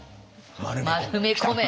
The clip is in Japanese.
「丸めこめ」。